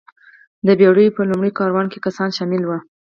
د بېړیو په لومړي کاروان کې کسان شامل وو.